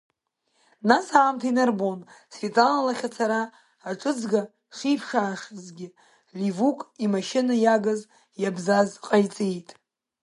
Нас аамҭа инарбон Светлана лахь ацара аҿыҵга шиԥшаашазгьы, Ливук имашьына иагыз, иабзаз ҟаиҵеит.